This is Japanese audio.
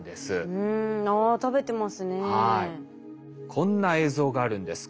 こんな映像があるんです。